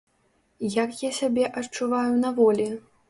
Як я сябе адчуваю на волі?